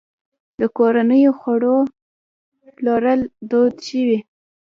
د کورنیو خوړو پلورل دود شوي؟